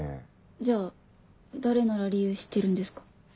じゃあ誰なら理由知ってるんですか？